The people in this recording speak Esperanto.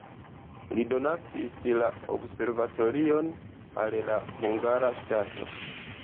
Li donacis la observatorion al la hungara ŝtato.